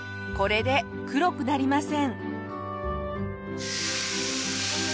これで黒くなりません。